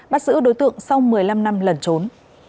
bắt giữ đối tượng sau một mươi năm năm lẩn trốn